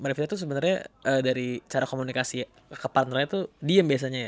mbak revita tuh sebenarnya dari cara komunikasi ke partnernya tuh diem biasanya ya